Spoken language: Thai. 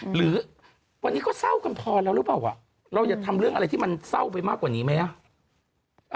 หรือวันนี้ก็เศร้ากันพอแล้วหรือเปล่าเราอย่าทำเรื่องอะไรที่มันเศร้าไปมากกว่านี้ไหมอ่ะ